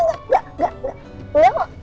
enggak kok enggak kok